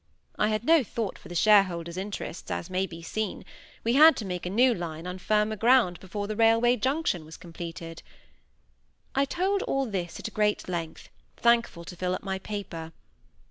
(I had no thought for the shareholders' interests, as may be seen; we had to make a new line on firmer ground before the junction railway was completed.) I told all this at great length, thankful to fill up my paper.